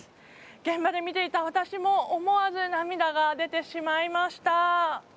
現場で見ていた私も思わず涙が出てしまいました。